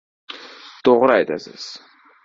— To‘g‘ri aytasiz.